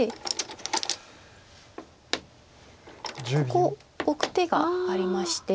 ここオク手がありまして。